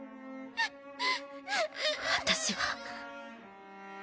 私は。